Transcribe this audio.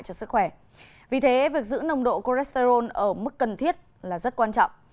cho sức khỏe vì thế việc giữ nồng độ cholesterol ở mức cần thiết là rất quan trọng